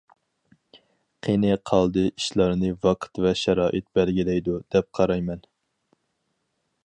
قېنى قالدى ئىشلارنى ۋاقىت ۋە شارائىت بەلگىلەيدۇ دەپ قارايمەن.